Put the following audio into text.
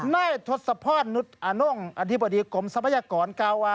นายทศพรนุษย์อานงอธิบดีกลมสมัยกร